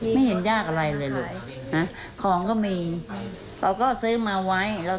มีเห็นยากอะไรเลยลดหวังคำจำแล้วก็มีเราก็ซื้อมาไว้